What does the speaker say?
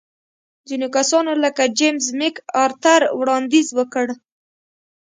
ځینو کسانو لکه جېمز مک ارتر وړاندیز وکړ.